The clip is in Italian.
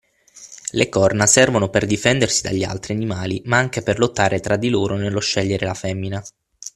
Le corna servono per difendersi dagli altri animali ma anche per lottare tra di loro nello scegliere la femmina.